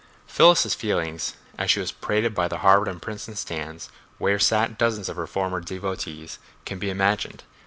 Phyllis's feelings as she was paraded by the Harvard and Princeton stands, where sat dozens of her former devotees, can be imagined.